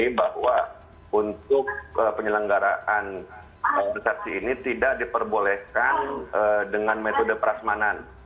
jadi bahwa untuk penyelenggaraan resaksi ini tidak diperbolehkan dengan metode perasmanan